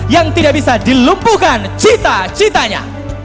yang tidak bisa dilumpuhkan cita citanya